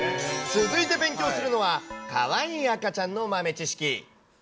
続いて勉強するのは、かわいい赤ちゃんの豆知識。